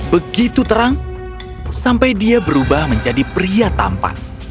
begitu terang sampai dia berubah menjadi pria tampan